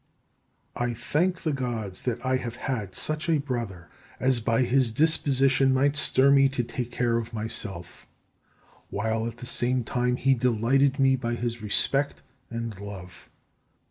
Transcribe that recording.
I thank the Gods that I have had such a brother as by his disposition might stir me to take care of myself, while at the same time he delighted me by his respect and love.